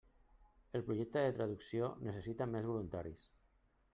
El projecte de traducció necessita més voluntaris.